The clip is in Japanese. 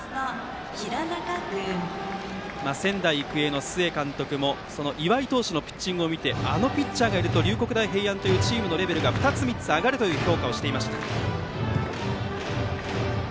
仙台育英の須江監督も岩井投手のピッチングを見てあのピッチャーがいると龍谷大平安というチームのレベルが２つ、３つ上がるという評価をしていました。